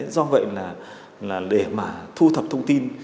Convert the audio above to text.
do vậy là để mà thu thập thông tin